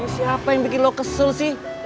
siapa yang bikin lo kesel sih